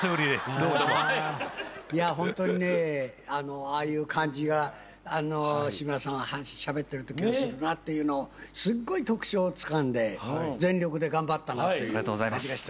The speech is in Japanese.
「どうもどうも」いやホントにねああいう感じが志村さんはしゃべってるときはするなっていうのをすっごい特徴をつかんで全力で頑張ったなという感じがしてましたよ。